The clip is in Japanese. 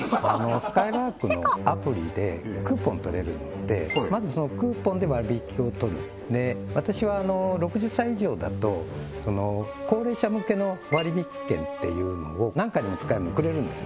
すかいらーくのアプリでクーポン取れるのでまずそのクーポンで割引を取る私は６０歳以上だと高齢者向けの割引券っていうのを何回でも使えるのくれるんですよ